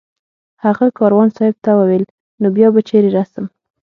هغه کاروان صاحب ته وویل نو بیا به چېرې رسم